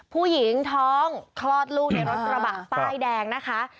ผู้หญิงท้องคลอดลูกในรถกระบะป้ายแดงนะคะ